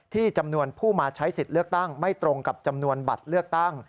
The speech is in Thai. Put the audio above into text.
จำนวนผู้มาใช้สิทธิ์เลือกตั้งไม่ตรงกับจำนวนบัตรเลือกตั้ง